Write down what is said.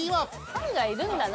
ファンがいるんだな。